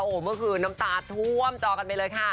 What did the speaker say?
โอ้โหเมื่อคืนน้ำตาท่วมจอกันไปเลยค่ะ